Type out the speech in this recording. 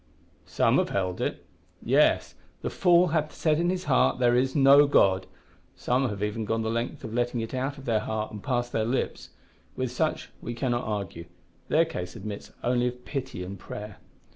"Some have held it." "Yes; `the fool hath said in his heart, There is no God,' some have even gone the length of letting it out of the heart and past the lips. With such we cannot argue; their case admits only of pity and prayer."